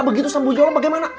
begitu sama bu yola bagaimana